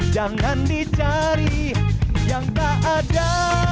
jangan dicari yang tak ada